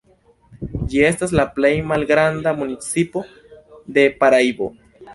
Ĝi estas la plej malgranda municipo de Paraibo.